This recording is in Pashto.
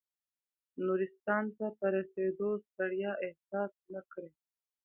نورستان ته په رسېدو ستړیا احساس نه کړه.